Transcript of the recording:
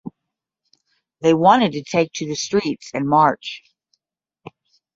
They wanted to take to the streets and march.